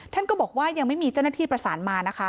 ท่านก็บอกว่ายังไม่มีเจ้าหน้าที่ประสานมานะคะ